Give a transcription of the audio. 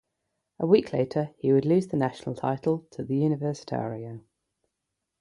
A week later he would lose the national title to the Universitario.